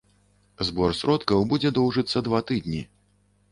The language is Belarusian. Збор сродкаў будзе доўжыцца два тыдні.